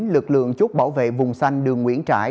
lực lượng chốt bảo vệ vùng xanh đường nguyễn trãi